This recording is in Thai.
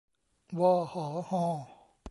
วอ หอ ฮอ